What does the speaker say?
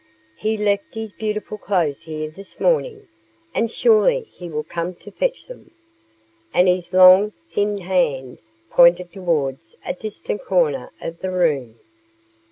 "He left his beautiful clothes here this morning, and surely he will come to fetch them." And his long, thin hand pointed towards a distant corner of the room.